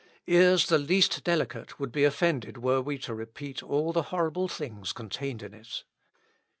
Ears the least delicate would be offended were we to repeat all the horrible things contained in it.